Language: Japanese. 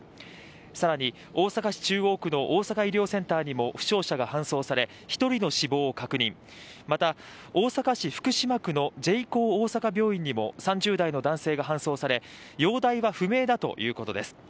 更に大阪市中央区の大阪医療センターにも負傷者が搬送され１人の死亡を確認大阪市福島区の病院にも３０代の男性が搬送され、容体は不明だということです。